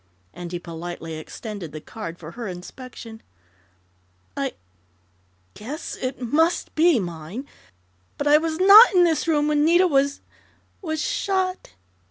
and he politely extended the card for her inspection. "I yes, it must be mine, but I was not in this room when Nita was was shot!"